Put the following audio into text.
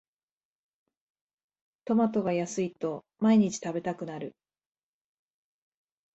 トマトが安いと毎日食べたくなる